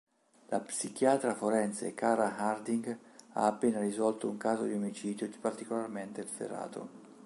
La psichiatra forense Cara Harding ha appena risolto un caso di omicidio particolarmente efferato.